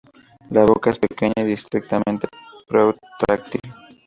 La boca es pequeña y discretamente protráctil.